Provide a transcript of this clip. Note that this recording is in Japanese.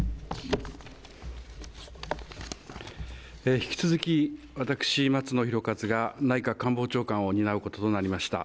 引き続き、私、松野博一が内閣官房長官を引き継ぐこととなりました。